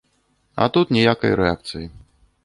А тут ніякай рэакцыі.